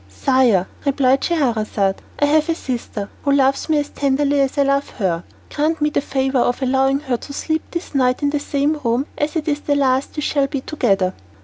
"Sire," replied Scheherazade, "I have a sister who loves me as tenderly as I love her. Grant me the favour of allowing her to sleep this night in the same room, as it is the last we shall be together."